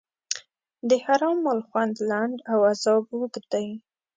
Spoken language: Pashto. د حرام مال خوند لنډ او عذاب اوږد دی.